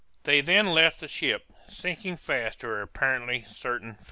They then left the ship, sinking fast to her apparently certain fate.